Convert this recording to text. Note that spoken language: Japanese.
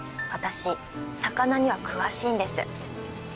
私魚には詳しいんです。